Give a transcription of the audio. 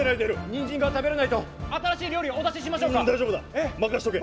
にんじんが食べれないと新しい料理を大丈夫だ、任しておけ。